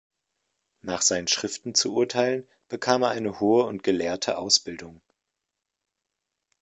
Nach seinen Schriften zu urteilen, bekam er eine hohe und gelehrte Ausbildung.